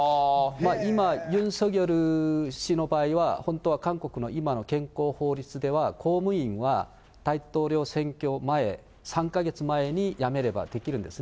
今、ユン・ソギョル氏の場合は、本当は韓国の今の現行法律では、公務員は大統領選挙前、３か月前に辞めればできるんですね。